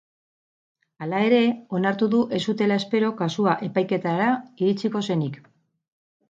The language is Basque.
Hala ere, onartu du ez zutela espero kasua epaiketara iritsiko zenik.